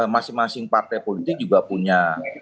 masing masing partai politik juga punya